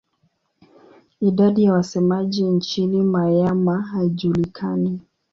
Idadi ya wasemaji nchini Myanmar haijulikani.